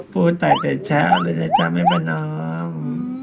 บูตายแต่แช่ออกเลยนะจ้ะไบ้บานน้อง